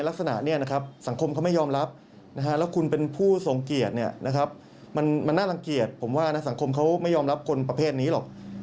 แบบนี้มันน่ารังเกียจผมว่าสังคมเขาไม่ยอมรับคนประเภทนี้หรอก